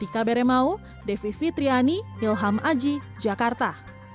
di kbrmu devi fitriani ilham aji jakarta